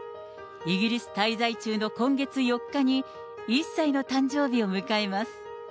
イギリス滞在中の今月４日に、１歳の誕生日を迎えます。